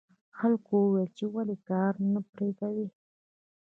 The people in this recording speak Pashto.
خلکو وویل چې ولې کار نه پرې کوې.